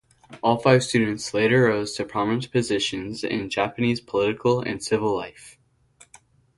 All five students later rose to prominent positions in Japanese political and civil life.